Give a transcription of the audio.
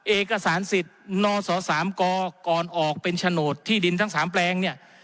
เอกสารสิทธิ์นศ๓กก่อนออกเป็นโฉนดที่ดินทั้ง๓แปลงเนี่ย